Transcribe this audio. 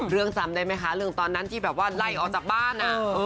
จำได้ไหมคะเรื่องตอนนั้นที่แบบว่าไล่ออกจากบ้าน